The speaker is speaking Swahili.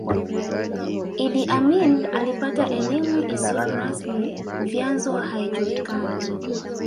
Idi Amin alipata elimu isiyo rasmi vyanzo haijulikani